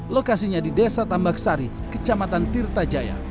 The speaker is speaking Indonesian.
lokasinya di desa tambak sari kecamatan tirta jaya